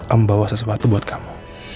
om bawa sesuatu buat kamu